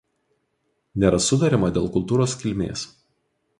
Nėra sutariama dėl kultūros kilmės.